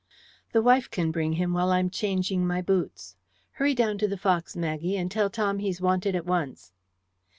"The wife can bring him while I am changing my boots. Hurry down to the Fox, Maggie, and tell Tom he's wanted at once."